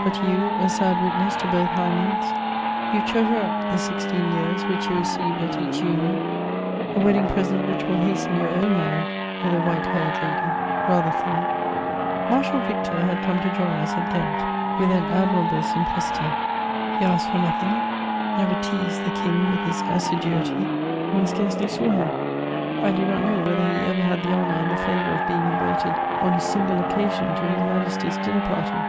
But you, a sad witness to both hymens, you treasure up the sixteen years which you received at each union: a wedding present which will hasten your own marriage with a white haired lady, rather thin. [Sidenote: Marshal Victor.] Marshal Victor had come to join us, at Ghent, with an admirable simplicity: he asked for nothing, never teased the King with his assiduity; one scarcely saw him; I do not know whether he ever had the honour and the favour of being invited on a single occasion to His Majesty's dinner party.